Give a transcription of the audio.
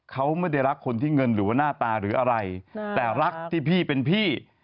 เขาไม่ได้รักคนที่เงินหรือว่าหน้าตาหรืออะไรแต่รักที่พี่เป็นพี่